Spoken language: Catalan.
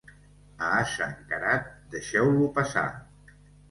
A ase encarat, deixeu-lo passar.